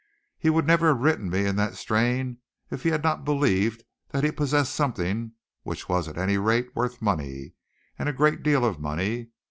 He would never have written me in that strain if he had not believed that he possessed something which was at any rate worth money, and a great deal of money.